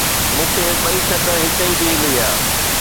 مون کي ٻئي خط هڪ ئي ڏينهن مليا